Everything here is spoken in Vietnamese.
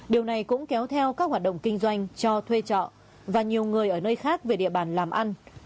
điều này cũng kéo theo các hoạt động kinh doanh cho thuê trọ và nhiều người ở nơi khác về địa bàn làm ăn